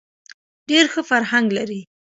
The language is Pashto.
ډېر ښه فرهنګ لري.